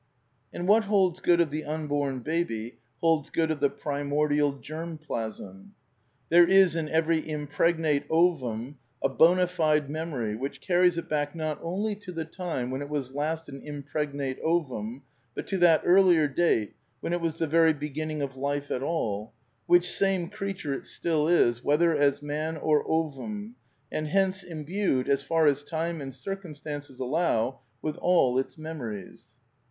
^' And what holds good of the unborn baby holds good of the primordial germ plasm. "There is in every impregnate ovum a bona fide memory, which carries it back not only to the time when it was last an impregnate ovum, but to that earlier date when it was the very beginning of life at all, which same creature it still is, whether as man or ovum, and hence imbued, as far as time and circum stances allow, with all its memories."